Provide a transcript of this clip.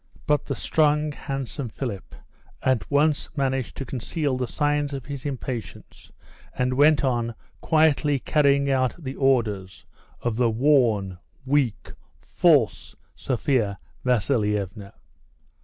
But the strong, handsome Philip at once managed to conceal the signs of his impatience, and went on quietly carrying out the orders of the worn, weak, false Sophia Vasilievna.